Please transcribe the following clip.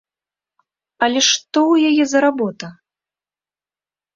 Але што ў яе за работа?